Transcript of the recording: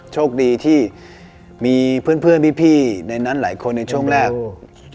โชคดีที่มีเพื่อนเพื่อนพี่ในนั้นหลายคนในช่วงแรก